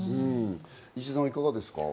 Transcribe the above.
石田さん、いかがですか？